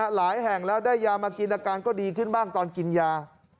หลายแห่งแล้วได้ยามากินอาการก็ดีขึ้นบ้างตอนกินยา